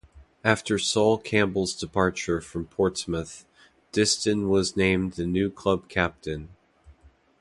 After Sol Campbell's departure from Portsmouth, Distin was named the new club captain.